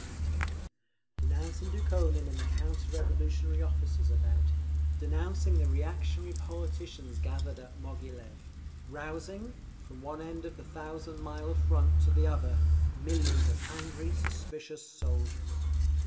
19) denouncing Dukhonin and the counter revolutionary officers about him, denouncing the reactionary politicians gathered at Moghilev, rousing, from one end of the thousand mile Front to the other, millions of angry, suspicious soldiers.